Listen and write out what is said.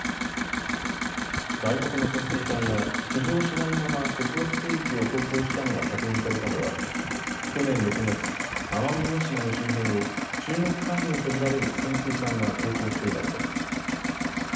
外国の潜水艦が浮上しないまま接続水域を航行したのが確認されたのは去年６月、奄美大島の周辺を中国海軍と見られる潜水艦が航行して以来です。